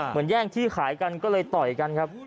แย่งที่ขายกันก็เลยต่อยกันครับ